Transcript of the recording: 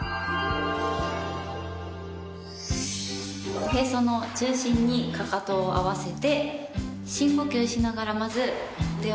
おへその中心にかかとを合わせて深呼吸しながらまず腕を上げます。